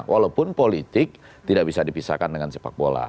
walaupun politik tidak bisa dipisahkan dengan sepak bola